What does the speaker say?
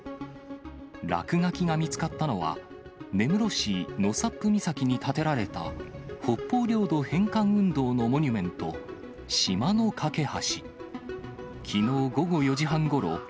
落書きが見つかったのは、根室市納沙布岬に建てられた北方領土返還運動のモニュメント、四島のかけ橋。